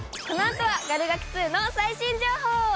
このあとは「ガル学。」の最新情報。